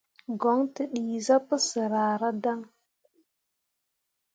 Goŋ tǝ dii zah pǝsǝr ahradaŋ.